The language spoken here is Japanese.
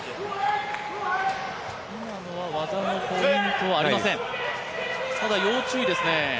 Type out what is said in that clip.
技のポイントはありません、ただ要注意ですね。